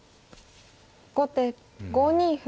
後手５二歩。